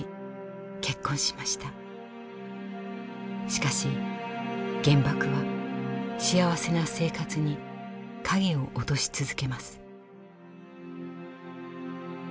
しかし原爆は幸せな生活に影を落とし続けます。